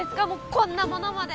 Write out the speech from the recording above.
こんなものまで！